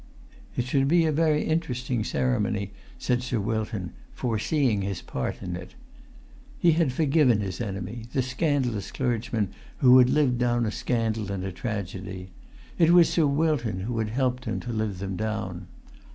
"It should be a very interesting ceremony," said Sir Wilton, foreseeing his part in it. He had forgiven his enemy, the scandalous clergyman who had lived down a scandal and a tragedy; it was Sir Wilton who had helped him to live them down.